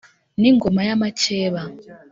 n'ingoma y'amakeba,